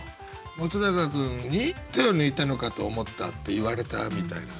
本君に「手を抜いたのかと思った」って言われたみたいな。